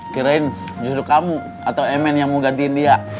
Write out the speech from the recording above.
kirain justru kamu atau mn yang mau gantiin dia